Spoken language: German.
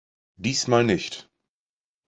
Diesmal nicht!